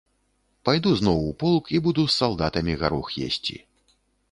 Пайду зноў у полк і буду з салдатамі гарох есці.